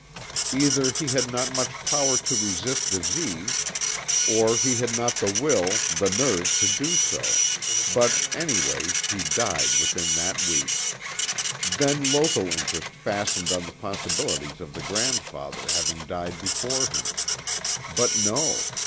Either he had not much power to resist disease or he had not the will, the nerve, to do so, but any way he died within that week. Then local interest fastened on the possibilities of the grandfather having died before him. But no.